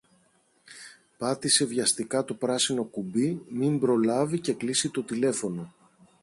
Πάτησε βιαστικά το πράσινο κουμπί μην προλάβει και κλείσει το τηλέφωνο